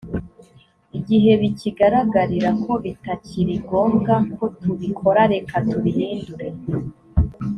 igihe bikigaragarira ko bitakiri ngombwa kotubikora reka tubihindure